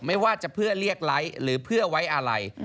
ไม่ว่าจะเพื่อเรียกไลค์หรือเพื่อไว้อะไร